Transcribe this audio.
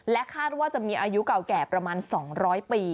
คาดว่าจะมีอายุเก่าแก่ประมาณ๒๐๐ปี